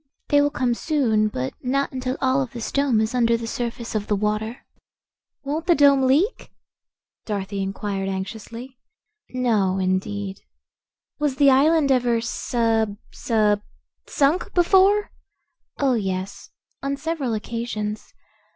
"They will come soon, but not until all of this dome is under the surface of the water." "Won't the dome leak?" Dorothy inquired anxiously. "No, indeed." "Was the island ever sub sub sunk before?" "Oh, yes; on several occasions.